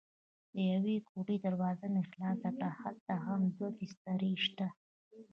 د یوې کوټې دروازه مې خلاصه کړه: هلته هم دوه بسترې شته.